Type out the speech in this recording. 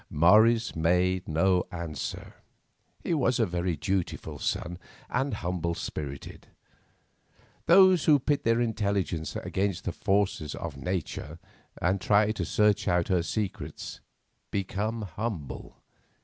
Morris made no answer; he was a very dutiful son and humble spirited. Those who pit their intelligences against the forces of Nature, and try to search out her secrets, become humble.